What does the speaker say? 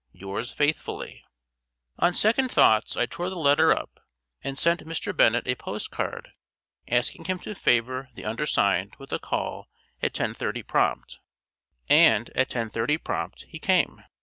Yours faithfully." On second thoughts I tore the letter up and sent Mr. Bennett a postcard asking him to favour the undersigned with a call at 10.30 prompt. And at 10.30 prompt he came.